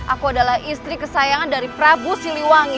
aku adalah istri kesayangan dari prabu siliwangi